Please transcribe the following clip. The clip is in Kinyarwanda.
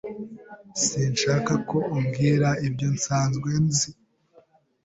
Sinshaka ko umbwira ibyo nsanzwe nzi.